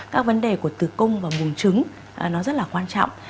các vấn đề của tử cung và vùng trứng nó rất là quan trọng